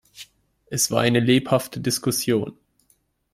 Es war eine lebhafte Diskussion.